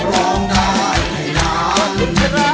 ร้องได้ให้ร้าง